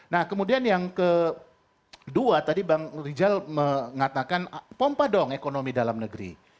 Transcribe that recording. nah kemudian yang kedua tadi bang rijal mengatakan pompa dong ekonomi dalam negeri